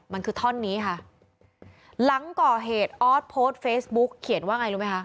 มันคือท่อนนี้ค่ะหลังก่อเหตุออสโพสต์เฟซบุ๊กเขียนว่าไงรู้ไหมคะ